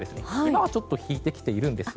今はちょっと引いてきているんですが。